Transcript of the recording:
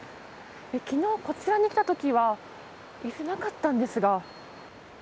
昨日こちらに来た時は椅子、なかったんですが。